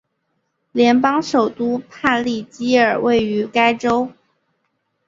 联邦首都帕利基尔位于该州。